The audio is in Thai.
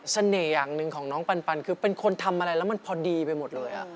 อย่างหนึ่งของน้องปันคือเป็นคนทำอะไรแล้วมันพอดีไปหมดเลย